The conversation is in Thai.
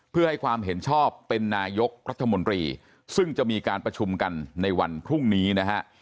เพื่อให้ความเห็นชอบเป็นนายกรัฐมนตรีซึ่งจะมีการประชุมกันในวันพรุ่งนี้นะฮะ